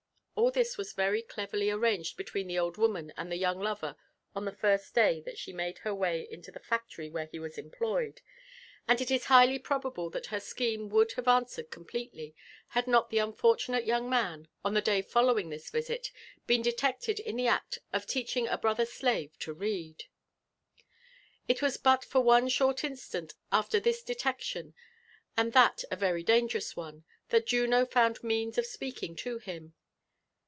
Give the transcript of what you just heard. All this was Tery cleverly arranged between the old woman and thd young loTer on the first day that she made her way into the factory where he was employed ; and it is highly probable that her aeliemg would have answered completely, bad not theunbrtunate young roan, on the day following this visit, been detected in the aot of teaching i brolber slave to read. It was but for one short instant after this detection, and that a very dangerous one, thai Juno found means of speaking to him.